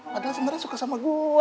padahal sebenarnya suka sama gue